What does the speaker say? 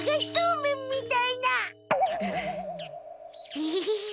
テヘヘヘ。